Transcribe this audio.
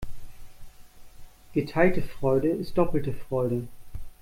Geteilte Freude ist doppelte Freude.